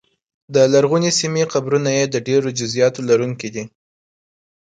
د لرغونې سیمې قبرونه یې د ډېرو جزییاتو لرونکي دي